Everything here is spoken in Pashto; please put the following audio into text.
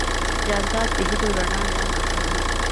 جانداد د هېلو رڼا لمع کوي.